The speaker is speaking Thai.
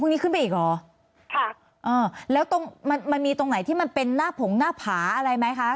นี้ขึ้นไปอีกเหรอค่ะอ่าแล้วตรงมันมันมีตรงไหนที่มันเป็นหน้าผงหน้าผาอะไรไหมคะ